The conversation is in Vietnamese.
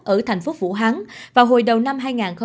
ở thành phố vũ hán vào hồi đầu năm hai nghìn hai mươi